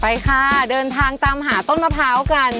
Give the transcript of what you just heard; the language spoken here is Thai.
ไปค่ะเดินทางตามหาต้นมะพร้าวกัน